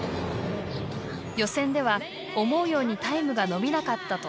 予選では思うようにタイムが伸びなかったと佐々木選手。